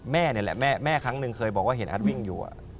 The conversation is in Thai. แม่นี่แหละแม่ครั้งหนึ่งเคยบอกว่าเห็นอาร์ตวิ่งอยู่